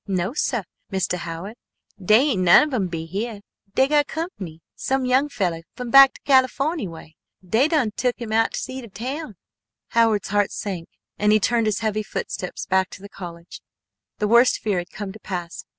"No, sir, Mister Howard, dey ain't none ob 'em heah! Dey got cumpney some young fellah fum back to Californy way. Dey done tuk him out to see de town." Howard's heart sank and he turned his heavy footsteps back to college. The worst fear had come to pass.